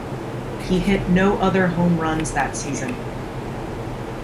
He hit no other home runs that season.